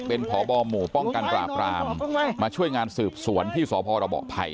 เป็นพบหมู่ป้องกันปราบรามมาช่วยงานสืบสวนที่สพรบภัย